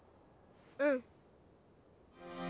うん。